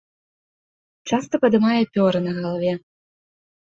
Часта падымае пёры на галаве.